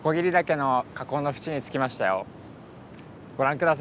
ご覧下さい。